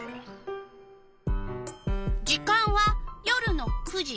時間は夜の９時。